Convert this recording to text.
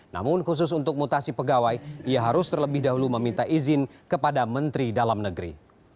namun khusus untuk mutasi pegawai ia harus terlebih dahulu meminta izin kepada menteri dalam negeri